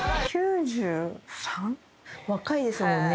若いですもんね